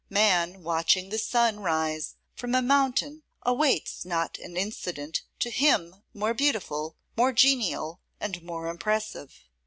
Man watching the sun rise from a mountain awaits not an incident to him more beautiful, more genial, and more impressive.